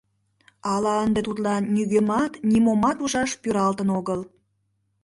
Ала ынде тудлан нигӧмат-нимомат ужаш пӱралтын огыл?